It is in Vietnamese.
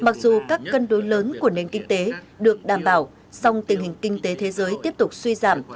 mặc dù các cân đối lớn của nền kinh tế được đảm bảo song tình hình kinh tế thế giới tiếp tục suy giảm